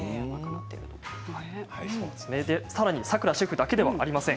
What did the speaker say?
さくらシェフだけではありません。